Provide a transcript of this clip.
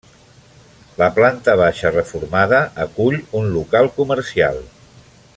La planta baixa, reformada, acull un local comercial.